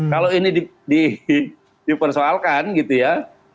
kalau ini dipersoalkan gitu ya